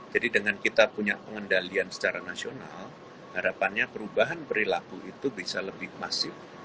jadi dengan kita punya pengendalian secara nasional harapannya perubahan perilaku itu bisa lebih masif